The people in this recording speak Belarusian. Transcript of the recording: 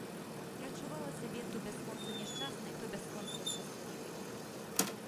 Я адчувала сябе то бясконца няшчаснай, то бясконца шчаслівай.